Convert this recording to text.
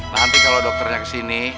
nanti kalau dokternya kesini